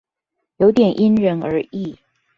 有點因人而異